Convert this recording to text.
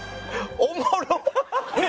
おもろっ。